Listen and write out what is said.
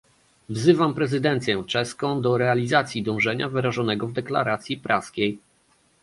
Wzywam prezydencję czeską do realizacji dążenia wyrażonego w deklaracji praskiej